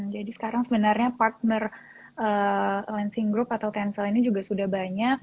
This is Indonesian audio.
jadi sekarang sebenarnya partner lansing group atau tensel ini juga sudah banyak